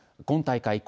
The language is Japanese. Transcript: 今大会